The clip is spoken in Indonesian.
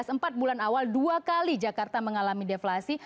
empat bulan awal dua kali jakarta mengalami deflasi